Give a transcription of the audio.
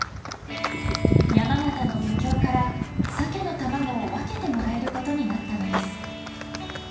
山形の漁協から、サケの卵を分けてもらえることになったのです。